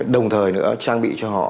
đồng thời nữa trang bị cho họ